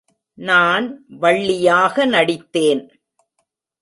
நான் வள்ளியாக நடித்தேன்.